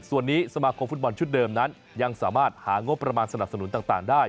ส่วนนี้สมาคมฟุตบอลชุดเดิมนั้นยังสามารถหางบประมาณสนับสนุนต่างได้